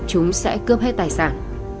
sinh đen đã cướp hết tài sản